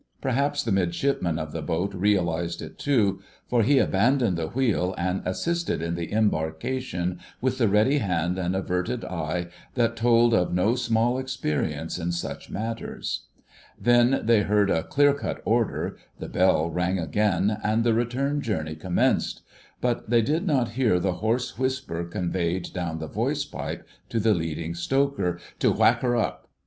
Perhaps the Midshipman of the boat realised it too, for he abandoned the wheel and assisted in the embarkation with the ready hand and averted eye that told of no small experience in such matters. Then they heard a clear cut order, the bell rang again, and the return journey commenced; but they did not hear the hoarse whisper conveyed down the voice pipe to the Leading Stoker to "Whack her up!"